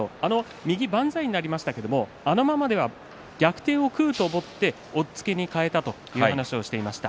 右万歳になりましたがあのままでは逆転を食うと思って押っつけに変えたという話をしていました。